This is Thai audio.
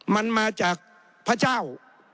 มันมาจากพระเจ้า